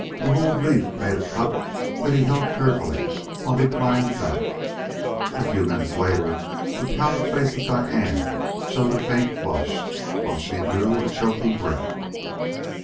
A rolled leaf made a cup that he held carefully while he climbed back. A few minutes later the pallid face of Diane showed a faint flush, while she drew a choking breath.